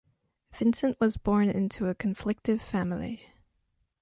Vincent was born into a conflictive family.